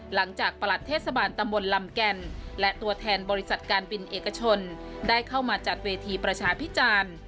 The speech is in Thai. ประหลัดเทศบาลตำบลลำแก่นและตัวแทนบริษัทการบินเอกชนได้เข้ามาจัดเวทีประชาพิจารณ์